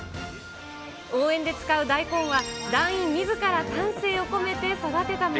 応援で使う大根は、団員みずから丹精を込めて育てたもの。